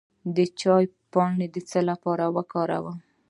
د چای پاڼې د څه لپاره وکاروم؟